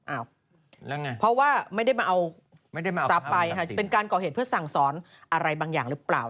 อ้าวเพราะว่าไม่ได้มาเอาสับไปเป็นการก่อเหตุเพื่อสั่งสอนอะไรบางอย่างหรือเปล่า